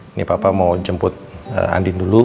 ini papa mau jemput andin dulu